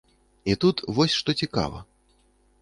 І тут вось што цікава.